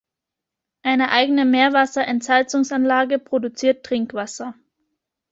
Eine eigene Meerwasserentsalzungsanlage produziert Trinkwasser.